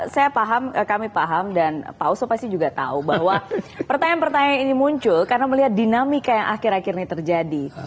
saya paham kami paham dan pak oso pasti juga tahu bahwa pertanyaan pertanyaan ini muncul karena melihat dinamika yang akhir akhir ini terjadi